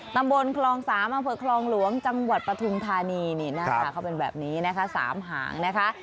ตำบลครองสามมคลหลวงจังหวัดปฐุรธานีนี่นะคะเขาเป็นแบบนี้สามหางนะคะ